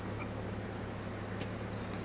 อัศวินธรรมชาติ